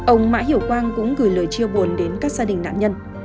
ông mã hiểu quang cũng gửi lời chia buồn đến các gia đình nạn nhân